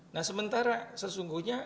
nah sementara sesungguhnya